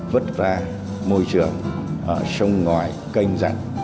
vứt ra môi trường ở sông ngoài canh rắn